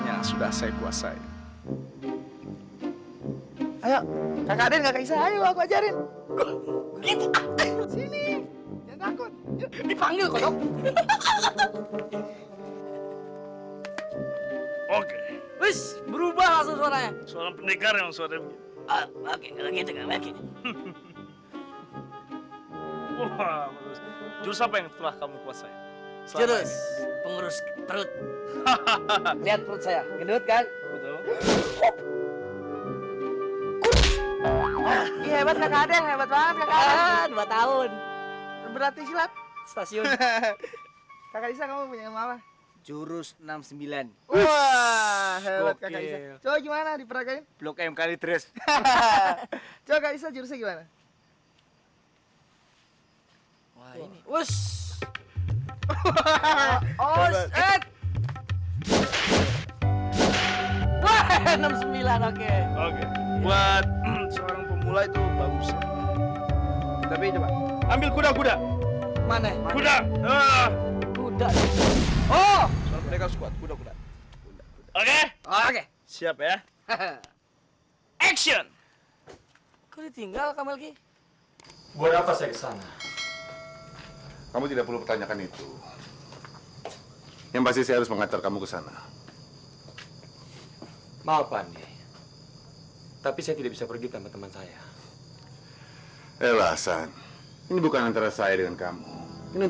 ya sudah kalau kamu tidak ingin menolong kami